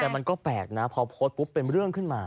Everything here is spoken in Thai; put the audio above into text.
แต่มันก็แปลกนะพอโพสต์ปุ๊บเป็นเรื่องขึ้นมา